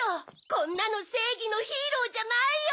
こんなのせいぎのヒーローじゃないよ！